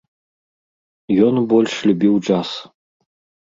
Ён больш любіў джаз.